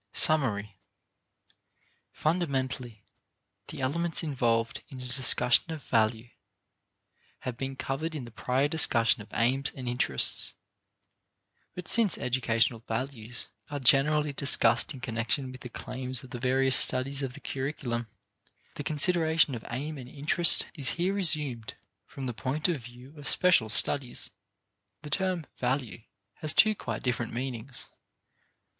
Summary. Fundamentally, the elements involved in a discussion of value have been covered in the prior discussion of aims and interests. But since educational values are generally discussed in connection with the claims of the various studies of the curriculum, the consideration of aim and interest is here resumed from the point of view of special studies. The term "value" has two quite different meanings.